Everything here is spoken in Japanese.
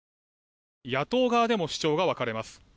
野党側でも主張が分かれます。